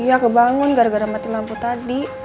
iya kebangun gara gara mati lampu tadi